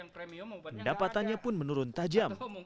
pendapatannya pun menurun tajam